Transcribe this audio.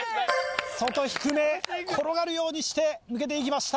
外低め転がるようにして抜けていきました。